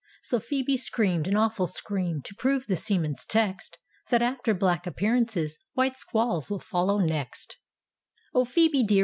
So Fhoebc screamed an awful scream To prove the seaman's text, That after black appearances, White squalls will follow next " O Phoebe dear!